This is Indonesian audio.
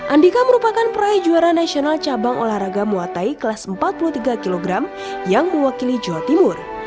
andika merupakan peraih juara nasional cabang olahraga muatai kelas empat puluh tiga kg yang mewakili jawa timur